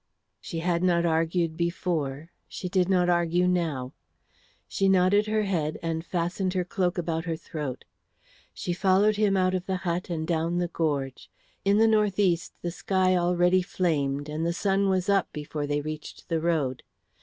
As she had not argued before, she did not argue now. She nodded her head and fastened her cloak about her throat. She followed him out of the hut and down the gorge. In the northeast the sky already flamed, and the sun was up before they reached the road.